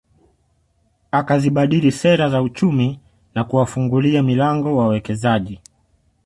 Akazibadili sera za uchumi na kuwafungulia milango wawekezaji